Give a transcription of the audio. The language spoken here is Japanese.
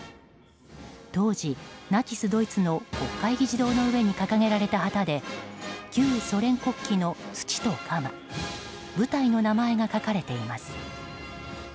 当時、ナチスドイツの国会議事堂の上に掲げられた旗で旧ソ連国旗の、つちと鎌部隊の名前が書かれています。